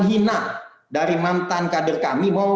yang menak dari mantan kader kami